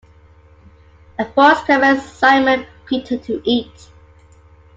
A voice commands Simon Peter to eat.